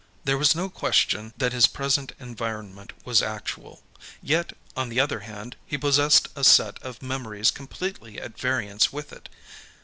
There was no question that his present environment was actual. Yet, on the other hand, he possessed a set of memories completely at variance with it.